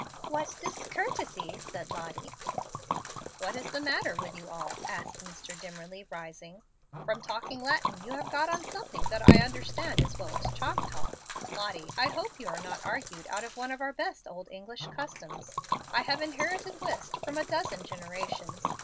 "What DISCOURTESY!" said Lottie. "What is the matter with you all?" asked Mr. Dimmerly, rising. "From talking Latin you have got on something that I understand as well as Choctaw. Lottie, I hope you are not argued out of one of our best old English customs. I have inherited whist from a dozen generations.